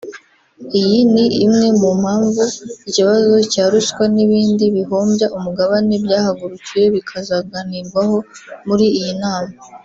Iyi ni imwe mu mpamvu ikibazo cya ruswa n’ibindi bihombya umugabane byahagurukiwe bikazanaganirwaho muri iyi nama